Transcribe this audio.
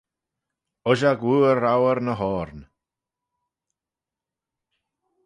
Ushag wooar rouyr ny oarn.